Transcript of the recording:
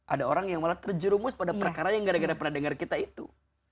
ada orang yang malah terjerumus pada perkara yang gara gara pernah dengar kita itu